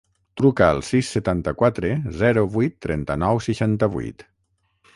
Truca al sis, setanta-quatre, zero, vuit, trenta-nou, seixanta-vuit.